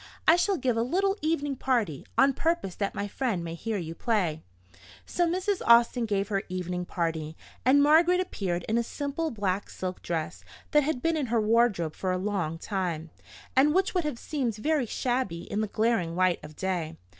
I shall give a little evening party, on purpose that my friend may hear you play." So Mrs. Austin gave her evening party, and Margaret appeared in a simple black silk dress that had been in her wardrobe for a long time, and which would have seemed very shabby in the glaring light of day.